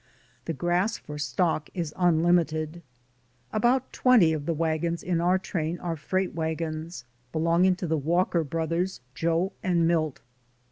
The grass for stock is unlimited. About twenty of the wagons in our train are freight wagons, be longing to the Walker Brothers, Joe and Milt.